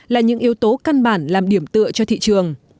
là những yếu tố căn bản làm điểm tựa cho thị trường